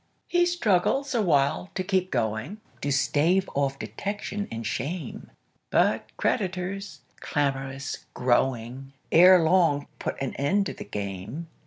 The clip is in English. He struggles awhile to keep going, To stave off detection and shame; But creditors, clamorous growing, Ere long put an end to the game.